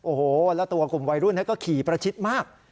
โอ้โหแล้วตัวกลุ่มวัยรุ่นก็ขี่ประชิดมาก